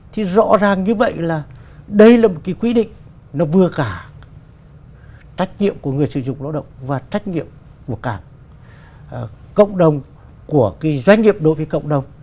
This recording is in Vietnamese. thì rõ ràng như vậy là đây là một cái quy định nó vừa cả trách nhiệm của người sử dụng lao động và trách nhiệm của cả cộng đồng của cái doanh nghiệp đối với cộng đồng